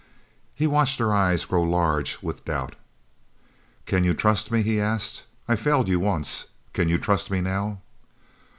He watched her eyes grow large with doubt. "Can you trust me?" he asked. "I failed you once. Can you trust me now?"